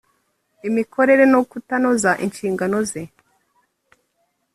imikorere no kutanoza inshingano ze